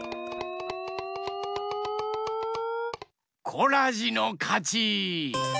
コラジのかち！